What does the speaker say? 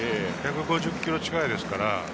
１５０キロ近いですから。